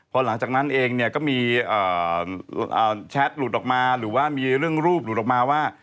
พอหลังจากนั้นเองเนี่ยก็มีแชทหลุดออกมาหรือว่ามีเรื่องรูปหลุดออกมาว่า